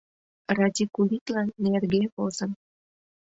Радикулитлан нерге возын!